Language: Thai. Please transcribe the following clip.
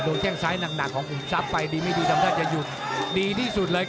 แข้งซ้ายหนักของขุมทรัพย์ไปดีไม่ดีทำท่าจะหยุดดีที่สุดเลย